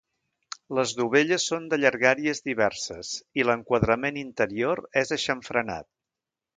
Les dovelles són de llargàries diverses, i l'enquadrament interior és aixamfranat.